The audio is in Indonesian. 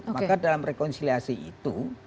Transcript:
maka dalam rekonsiliasi itu